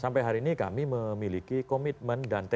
sampai hari ini kami memiliki komitmen dan tekad yang aman